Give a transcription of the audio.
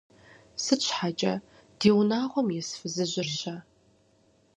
Сыт щхьэкӀэ, ди унагъуэм ис фызыжьыр-щэ?